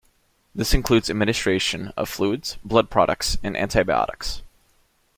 This includes administration of fluids, blood products, and antibiotics.